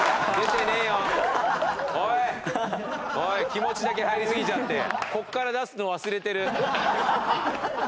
気持ちだけ入りすぎちゃってここから出すの忘れてる。